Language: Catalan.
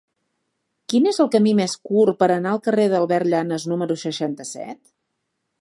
Quin és el camí més curt per anar al carrer d'Albert Llanas número seixanta-set?